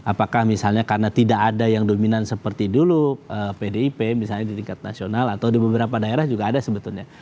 apakah misalnya karena tidak ada yang dominan seperti dulu pdip misalnya di tingkat nasional atau di beberapa daerah juga ada sebetulnya